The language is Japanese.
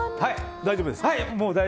大丈夫です。